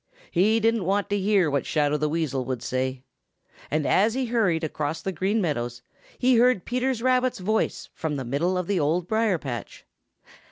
He didn't want to hear what Shadow the Weasel would say. And as he hurried across the Green Meadows, he heard Peter Rabbit's voice from the middle of the Old Briar patch.